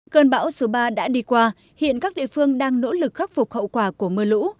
cơn bão số ba đã đi qua hiện các địa phương đang nỗ lực khắc phục hậu quả của mưa lũ